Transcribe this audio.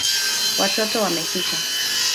Watoto wamefika